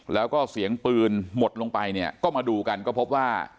แล้วก็เสียงปืนหมดลงไปเนี่ยก็มาดูกันก็พบว่า